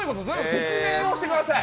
説明してください。